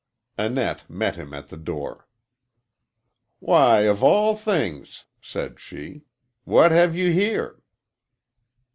Annette met him at the door. "Why, of all things!" said she. "What have you here?"